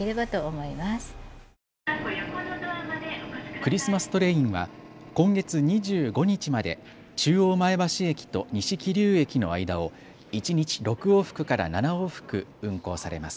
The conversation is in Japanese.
クリスマストレインは今月２５日まで中央前橋駅と西桐生駅の間を一日６往復から７往復運行されます。